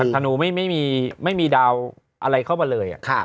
ธนูไม่มีดาวอะไรเข้ามาเลย